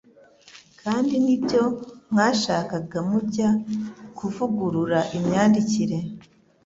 kandi ni byo mwashakaga mujya kuvugurura imyandikire